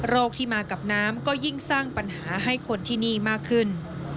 ที่มากับน้ำก็ยิ่งสร้างปัญหาให้คนที่นี่มากขึ้น